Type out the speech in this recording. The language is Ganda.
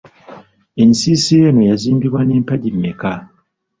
Ensiisira eno yazimbwa n’empagi mmeka?